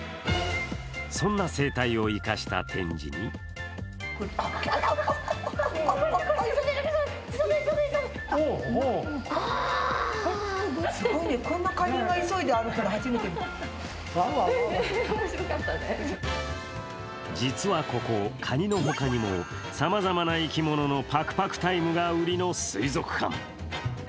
そんな生態を生かした展示に実はここ、カニのほかにも、さまざまな生き物のパクパクタイムが売りの水族館。